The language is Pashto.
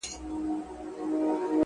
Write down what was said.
• لاري خالي دي له انسانانو,